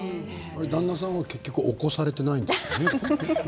旦那さんは結局起こされていないんですね。